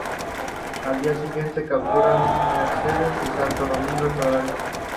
Al día siguiente capturan Mercedes y Santo Domingo Soriano.